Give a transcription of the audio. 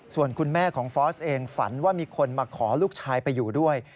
ส่วนคุณแม่ของฟอสเองฝันว่ามีคนมาขอลูกชายไปอยู่ด้วย